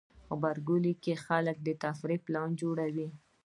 غبرګولی کې خلک د تفریح پلانونه جوړوي.